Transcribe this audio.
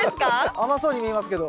甘そうに見えますけど。